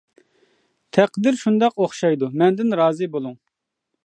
تەقدىر شۇنداق ئوخشايدۇ، مەندىن رازى بولۇڭ.